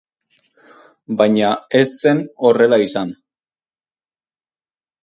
Baina ez zen horrela izan.